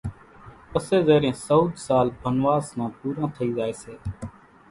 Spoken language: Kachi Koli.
پسي زيرين سئوۮ سال بنواس نان پوران ٿئي زائي سي